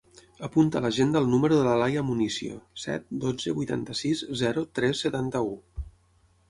Apunta a l'agenda el número de l'Alaia Municio: set, dotze, vuitanta-sis, zero, tres, setanta-u.